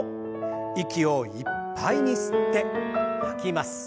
息をいっぱいに吸って吐きます。